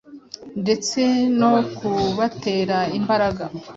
ndetse no kubatera imbaraga